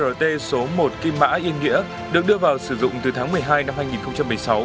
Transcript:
trong đó tuyến brt số một kim mã yên nghĩa được đưa vào sử dụng từ tháng một mươi hai năm hai nghìn một mươi sáu